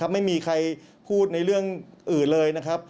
ไม่มีใครพูดในเรื่องอื่นเลยนะครับ